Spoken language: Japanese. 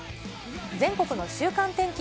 全国の週間天気。